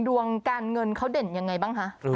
ดวงการเงินเขาเด่นยังไงบ้างคะ